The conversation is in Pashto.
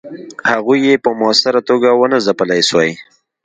هغوی یې په موثره توګه ونه ځپلای سوای.